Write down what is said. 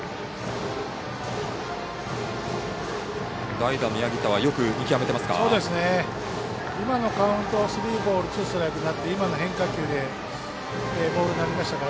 代打の八木田はよく見極めてますか？